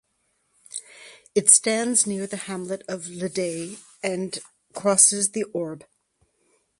It stands near the hamlet of "Le Day" and crosses the Orbe.